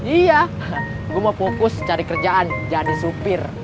iya gue mau fokus cari kerjaan jadi supir